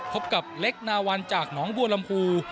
พบกับเล็กนาวันจากหนองบัวลำพู